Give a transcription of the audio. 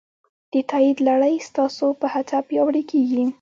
د تایید لړۍ ستاسو په هڅه پیاوړې کېږي.